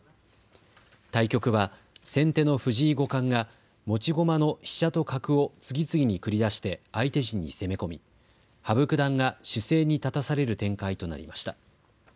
対局は先手の藤井五冠が持ち駒の飛車と角を次々に繰り出して相手陣に攻め込み羽生九段が守勢に立たされる展開となりました。